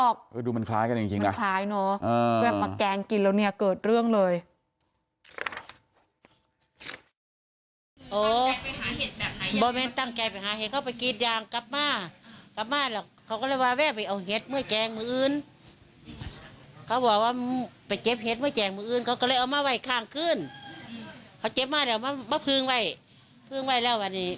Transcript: ข้างขึ้นเขาเจ็บมาแล้วมาพื้งไว้พื้งไว้แล้ววันนี้